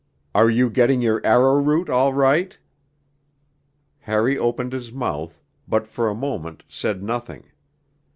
'Are you getting your arrow root all right?' Harry opened his mouth but for a moment said nothing.